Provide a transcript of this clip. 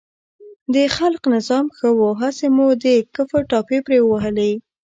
د خلق نظام ښه و، هسې مو د کفر ټاپې پرې ووهلې.